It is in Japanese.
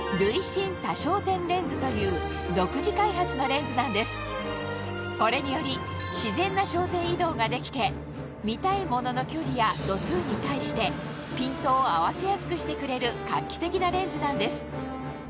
レンズの中心から外側に向かってこれにより自然な焦点移動ができて見たいものの距離や度数に対してピントを合わせやすくしてくれる画期的なレンズなんです